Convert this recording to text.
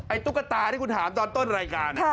ตุ๊กตาที่คุณถามตอนต้นรายการ